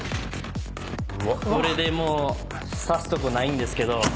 これでもう刺すとこないんですけど。